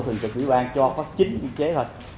chủ tịch ủy ban cho có chín biên chế thôi